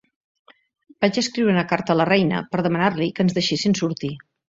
Vaig escriure una carta a la reina per demanar-li que ens deixessin sortir.